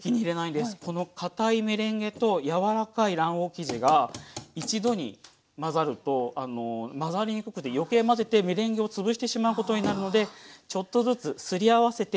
このかたいメレンゲと柔らかい卵黄生地が一度に混ざると混ざりにくくて余計混ぜてメレンゲを潰してしまうことになるのでちょっとずつすり合わせていきます。